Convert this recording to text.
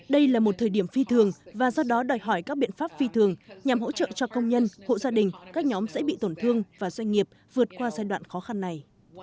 đây là một thời điểm phi thường và do đó đòi hỏi các biện pháp phi thường nhằm hỗ trợ cho công nhân hộ gia đình các nhóm sẽ bị tổn thương và doanh nghiệp vượt qua giai đoạn khó khăn này